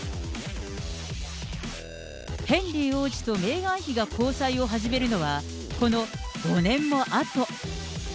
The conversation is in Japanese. ヘンリー王子とメーガン妃が交際を始めるのは、この５年もあと。